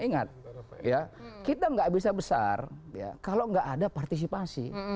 ingat ya kita nggak bisa besar kalau nggak ada partisipasi